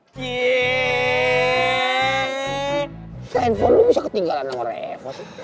kenapa handphone lo bisa ketinggalan sama reva